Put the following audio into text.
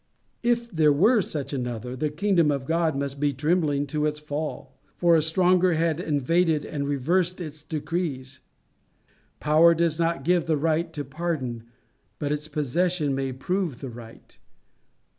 If there were such another, the kingdom of God must be trembling to its fall, for a stronger had invaded and reversed its decrees. Power does not give the right to pardon, but its possession may prove the right.